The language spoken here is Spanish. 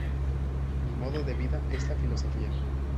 Mi modo de vida es la filosofía".